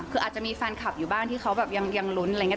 คืออาจจะมีแฟนคลับอยู่บ้างที่เขาแบบยังลุ้นอะไรอย่างนี้